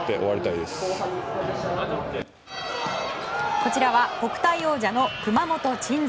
こちらは国体王者の熊本・鎮西。